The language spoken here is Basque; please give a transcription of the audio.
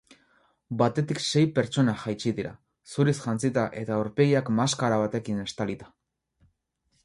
Batetik sei pertsona jaitsi dira, zuriz jantzita eta aurpegiak maskara batekin estalita.